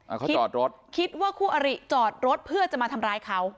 เขาจอดรถคิดว่าคู่อริจอดรถเพื่อจะมาทำร้ายเขา